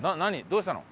どうしたの？